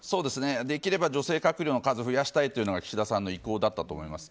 できれば女性閣僚の数を増やしたいというのが岸田さんの意向だったと思います。